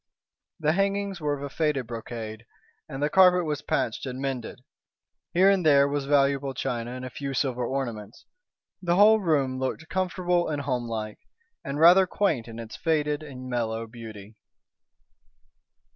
The hangings were of faded brocade, and the carpet was patched and mended. Here and there was valuable china and a few silver ornaments. The whole room looked comfortable and home like, and rather quaint in its faded and mellow beauty.